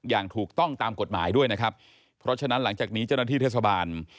อย่างถูกต้องตามกฎหมายด้วยนะครับเพราะฉะนั้นหลังจากนี้เจ้าหน้าที่เทศบาล